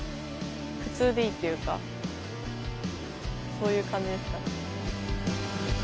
そういう感じですかね。